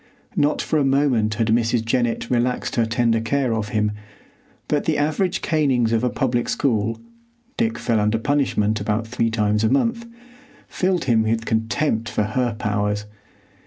Not for a moment had Mrs. Jennett relaxed her tender care of him, but the average canings of a public school—Dick fell under punishment about three times a month—filled him with contempt for her powers.